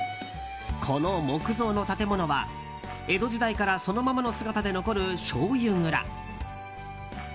この木造の建物は江戸時代からそのままの姿で残るしょうゆ蔵。